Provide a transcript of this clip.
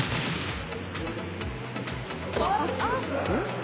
あっ。